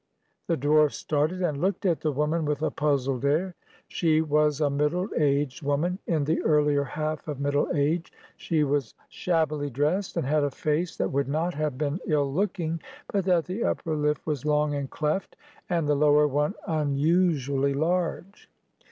The dwarf started, and looked at the woman with a puzzled air. She was a middle aged woman, in the earlier half of middle age; she was shabbily dressed, and had a face that would not have been ill looking, but that the upper lip was long and cleft, and the lower one unusually large.